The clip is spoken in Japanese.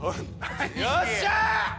よっしゃー！